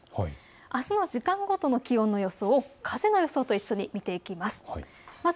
あすの時間ごとの気温の予想を風の予想と一緒に見ていきます。